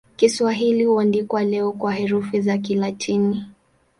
Kiswahili huandikwa leo kwa herufi za Kilatini.